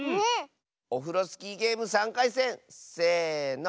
オフロスキーゲーム３かいせんせの。